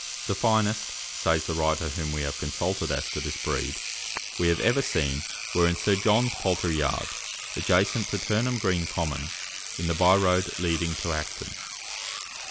"The finest," says the writer whom we have consulted as to this breed, "we have ever seen, were in Sir John's poultry yard, adjacent to Turnham Green Common, in the byroad leading to Acton."